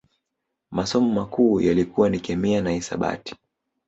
Masomo makuu yalikuwa ni Kemia na Hisabati